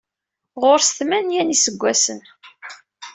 Ɣur-s tmenya n yiseggasen.